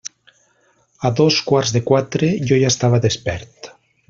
A dos quarts de quatre, jo ja estava despert.